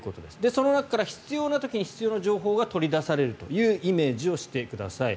その中から必要な時に必要な情報が取り出されるというイメージをしてください。